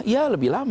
iya lebih lama